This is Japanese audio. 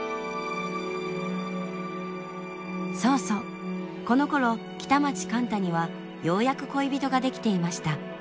そうそうこのころ北町貫多にはようやく恋人ができていました。